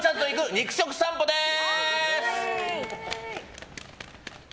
肉食さんぽです。